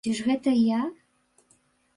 Ці ж гэта я?!